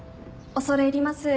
恐れ入ります。